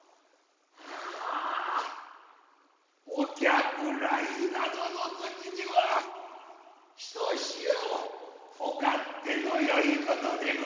ああお客来などの時にはひとしおお勝手のよいことでござるな。